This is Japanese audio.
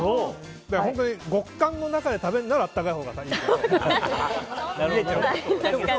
本当に極寒の中で食べるなら温かいほうがいいけど。